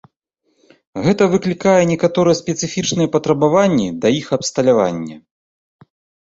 Гэта выклікае некаторыя спецыфічныя патрабаванні да іх абсталявання.